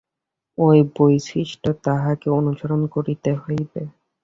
ঐ বৈশিষ্ট্য তাহাকে অনুসরণ করিতেই হইবে।